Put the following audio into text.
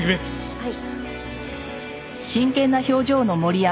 はい。